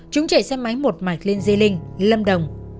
chúng chạy xe máy một mạch lên di linh lâm đồng